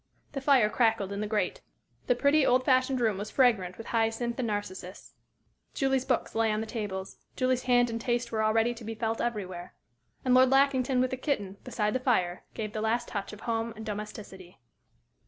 The fire crackled in the grate. The pretty, old fashioned room was fragrant with hyacinth and narcissus; Julie's books lay on the tables; Julie's hand and taste were already to be felt everywhere. And Lord Lackington with the kitten, beside the fire, gave the last touch of home and domesticity.